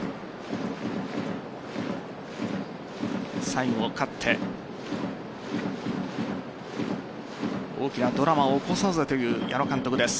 最後、勝って大きなドラマを起こそうぜという矢野監督です。